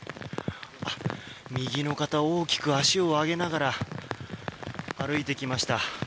右の方、大きく足を上げながら歩いてきました。